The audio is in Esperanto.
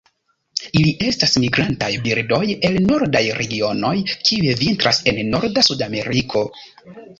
Ili estas migrantaj birdoj el nordaj regionoj kiuj vintras en norda Sudameriko.